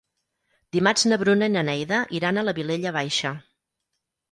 Dimarts na Bruna i na Neida iran a la Vilella Baixa.